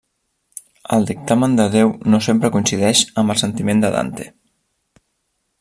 El dictamen de Déu no sempre coincideix amb el sentiment de Dante.